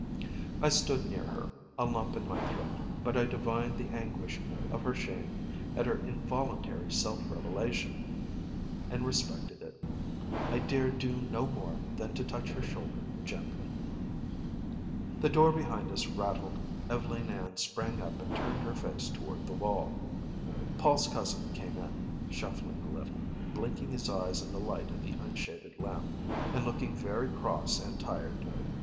I stood near her, a lump in my throat, but I divined the anguish of her shame at her involuntary self revelation, and respected it. I dared do no more than to touch her shoulder gently. The door behind us rattled. Ev'leen Ann sprang up and turned her face toward the wall. Paul's cousin came in, shuffling a little, blinking his eyes in the light of the unshaded lamp, and looking very cross and tired.